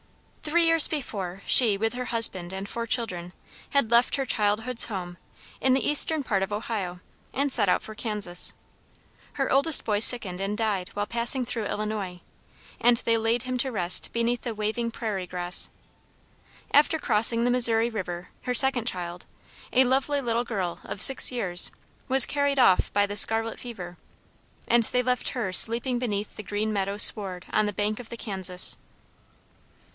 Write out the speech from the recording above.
Three years before, she, with her husband and four children, had left her childhood's home, in the eastern part of Ohio, and set out for Kansas. Her oldest boy sickened and died while passing through Illinois, and they laid him to rest beneath the waving prairie grass. After crossing the Missouri river, her second child, a lovely little girl of six years, was carried off by the scarlet fever, and they left her sleeping beneath the green meadow sward on the bank of the Kansas.